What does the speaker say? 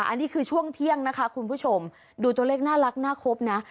อันนี้คือช่วงเที่ยงนะคะคุณผู้ชมดูตัวเลขน่ารักน่าครบนะ